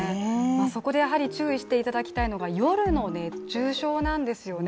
そこでやはり注意していただきたいのが夜の熱中症なんですよね。